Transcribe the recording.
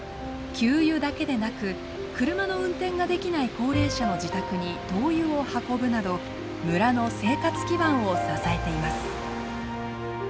給油だけでなく車の運転ができない高齢者の自宅に灯油を運ぶなど村の生活基盤を支えています。